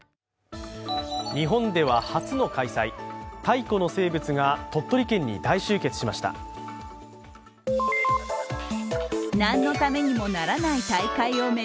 日本では初の開催、太古の生物が鳥取県に大集結しました。